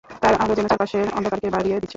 তার আলো যেন চারপাশের অন্ধকারকে বাড়িয়ে দিচ্ছে।